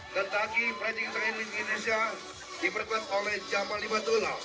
tetapi pradik tengah indonesia diperkuat oleh jaman lima puluh